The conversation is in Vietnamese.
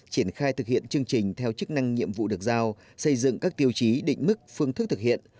triển khai thực hiện chương trình theo chức năng nhiệm vụ được giao xây dựng các tiêu chí định mức phương thức thực hiện